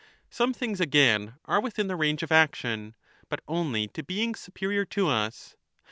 Some things, again, are within the range of action, but only to beings superior to us.